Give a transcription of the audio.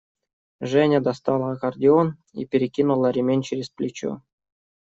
Женя достала аккордеон и перекинула ремень через плечо.